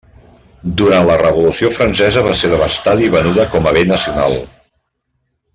Durant la Revolució Francesa va ser devastada i venuda com a bé nacional.